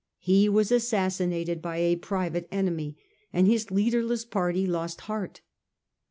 He was assassinated by a private enemy, and his leaderless party lost heart.